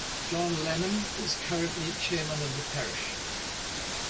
John Lanham is currently Chairman of the Parish.